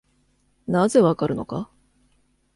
なぜわかるのか？